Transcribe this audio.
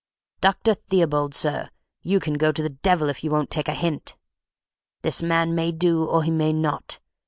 Dr. Theobald, sir, you can go to the devil if you won't take a hint. This man may do or he may not.